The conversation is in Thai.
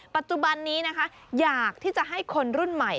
ปัจจุบันนี้นะคะอยากที่จะให้คนรุ่นใหม่